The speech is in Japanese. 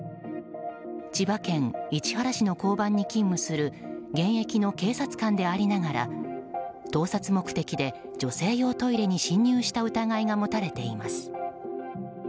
千葉県市原市の交番に勤務する現役の警察官でありながら盗撮目的で女性用トイレに侵入した疑いが持たれています。